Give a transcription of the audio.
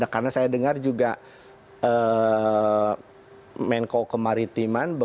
karena saya dengar juga menko kemaritiman